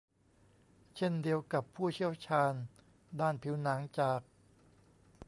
เช่นเดียวกับผู้เชี่ยวชาญด้านผิวหนังจาก